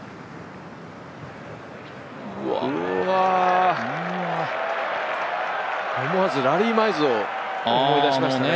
うわ、思わずラリー・マイズを思い出しましたね。